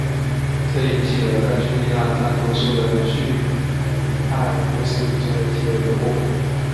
这引起了在叙利亚占多数的逊尼派穆斯林中的一些人的不满。